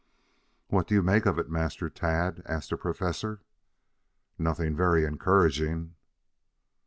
"What do you make of it, Master Tad?" asked the Professor. "Nothing very encouraging."